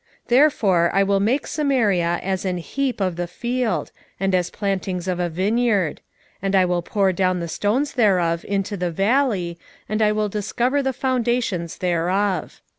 1:6 Therefore I will make Samaria as an heap of the field, and as plantings of a vineyard: and I will pour down the stones thereof into the valley, and I will discover the foundations thereof.